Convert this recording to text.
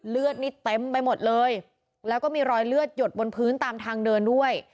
เลือดนี่เต็มไปหมดเลยแล้วก็มีรอยเลือดหยดบนพื้นตามทางเดินด้วย